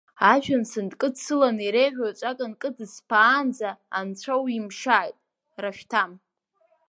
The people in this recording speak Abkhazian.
Ажәҩан сынкыдсыланы иреиӷьу еҵәак нкыдысԥаанӡа анцәа уимшьааит, Рашәҭам!